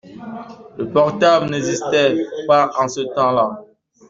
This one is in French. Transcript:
Les portables n’existaient pas en ce temps-là.